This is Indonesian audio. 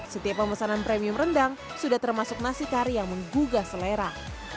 setiap pemesanan premium rendang sudah termasuk nasi kari yang menggugah selera